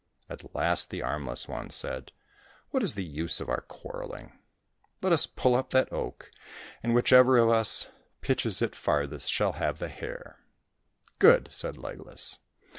At last the armless one said, " What is the use of our quarrelling ? Let us pull up that oak, and whichever of us pitches it farthest shall have the hare." " Good !" said Legless.